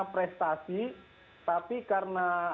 prestasi tapi karena